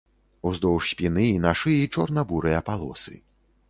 Уздоўж спіны і на шыі чорна-бурыя палосы.